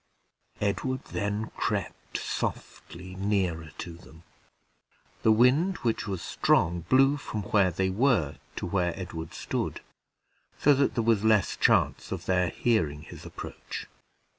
Edward then crept softly nearer to them: the wind, which was strong, blew from where they were to where Edward stood, so that there was less chance of their hearing his approach.